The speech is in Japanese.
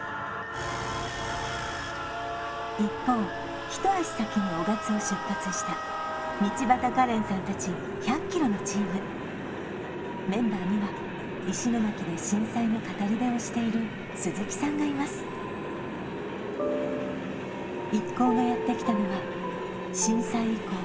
一方一足先に雄勝を出発した道端カレンさん達１００ｋｍのチームメンバーには石巻で震災の語り部をしている鈴木さんがいます一行がやってきたのは震災遺構